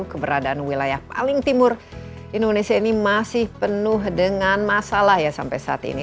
keberadaan wilayah paling timur indonesia ini masih penuh dengan masalah ya sampai saat ini